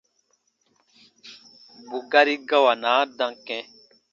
Bù gari gawanaa dam kɛ̃.